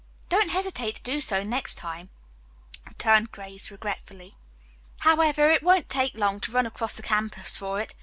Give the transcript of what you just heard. Don't hesitate to do so next time," returned Grace regretfully. "However, it won't take long to run across the campus for it.